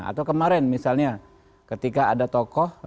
atau kemarin misalnya ketika ada tokoh